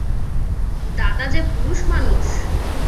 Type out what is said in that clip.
দাদা যে পুরুষমানুষ।